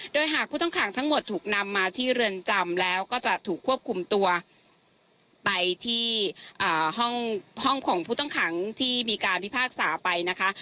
โดยหากผู้ต้องขังทั้งหมดถูกนำมาที่เรือนจำแล้วก็จะถูกควบคุมตัวไปที่ห้องของผู้ต้องขังที่มีการพิพากษาไปนะคะ